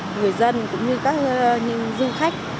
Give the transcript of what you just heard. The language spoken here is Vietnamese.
người dân cũng như các du khách